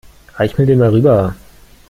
Reich mir den mal rüber.